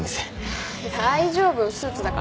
大丈夫スーツだから。